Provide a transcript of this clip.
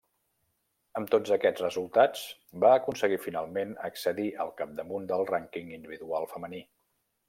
Amb tots aquests resultats va aconseguir finalment accedir al capdamunt del rànquing individual femení.